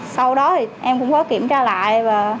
sau đó em cũng có kiểm tra lại